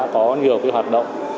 có nhiều cái hoạt động